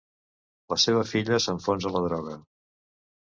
La seva filla s'enfonsa a la droga.